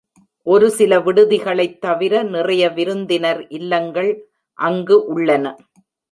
ஒரு சில விடுதிகளத் தவிர, நிறைய விருந்தினர் இல்லங்கள் அங்கு உள்ளன.